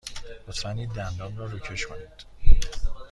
لطفاً این دندان را روکش کنید.